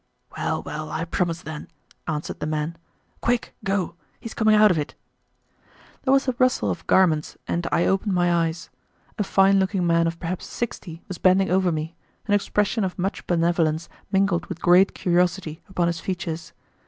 "Well, well, I promise, then," answered the man. "Quick, go! He is coming out of it." There was a rustle of garments and I opened my eyes. A fine looking man of perhaps sixty was bending over me, an expression of much benevolence mingled with great curiosity upon his features.